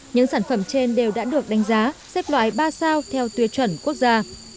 những sản phẩm trên đều đã được đánh giá xếp loại ba sao theo tuyệt chuẩn quốc gia